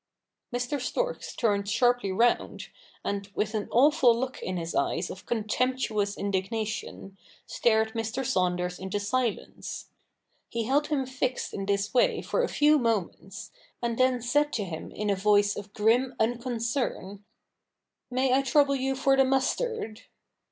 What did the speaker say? Mr. Storks turned sharply round, and, with an awful look in his eyes of contemptuous indignation, stared Mr. Saunders into silence. He held him fixed in this way for a few moments, and then said to him in a voice of grim unconcern, ' May I trouble you for the mustard